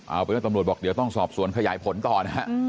เอาเป็นว่าตำรวจบอกเดี๋ยวต้องสอบสวนขยายผลต่อนะฮะ